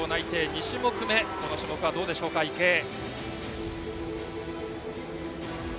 ２種目めこの種目はどうでしょう、池江。